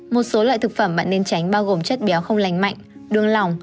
một số loại thực phẩm mặn nên tránh bao gồm chất béo không lành mạnh đường lòng